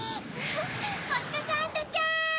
ホットサンドちゃん！